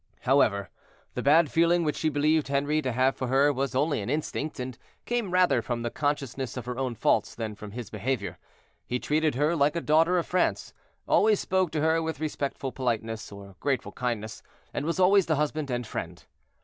However, the bad feeling which she believed Henri to have for her was only an instinct, and came rather from the consciousness of her own faults than from his behavior. He treated her like a daughter of France, always spoke to her with respectful politeness, or grateful kindness, and was always the husband and friend.